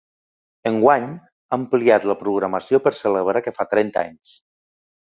Enguany ha ampliat la programació per celebrar que fa trenta anys.